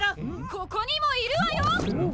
・ここにもいるわよ！